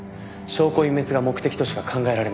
証拠隠滅が目的としか考えられません。